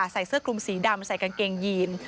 ใส่เสื้อคลุมสีดำใส่กางเกงยีน